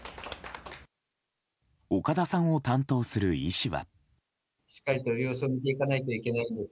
岡田さんを担当する医師は。